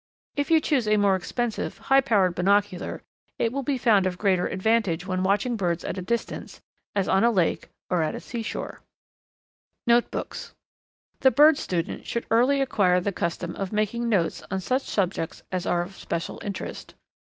If you choose a more expensive, high powered binocular, it will be found of greater advantage when watching birds at a distance, as on a lake or at the seashore. Notebooks. The bird student should early acquire the custom of making notes on such subjects as are of special interest.